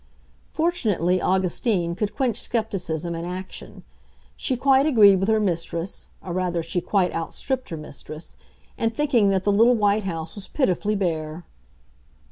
Fortunately, Augustine could quench skepticism in action. She quite agreed with her mistress—or rather she quite out stripped her mistress—in thinking that the little white house was pitifully bare.